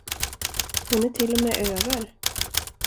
Hon är till och med över.